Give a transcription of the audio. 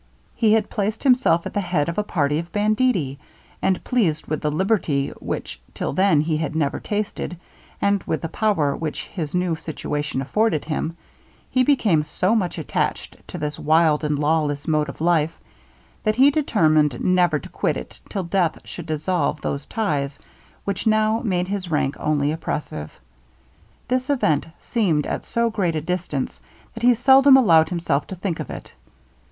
He had placed himself at the head of a party of banditti, and, pleased with the liberty which till then he had never tasted, and with the power which his new situation afforded him, he became so much attached to this wild and lawless mode of life, that he determined never to quit it till death should dissolve those ties which now made his rank only oppressive. This event seemed at so great a distance, that he seldom allowed himself to think of it.